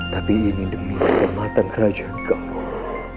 tapi ini demi keselamatan kerajaan galuh